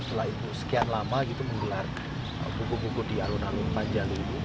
setelah itu sekian lama gitu menggelar buku buku di alun alun panjalu